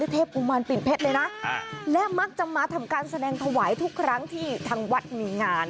เทพกุมารปิ่นเพชรเลยนะและมักจะมาทำการแสดงถวายทุกครั้งที่ทางวัดมีงาน